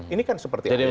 ini kan seperti ada yang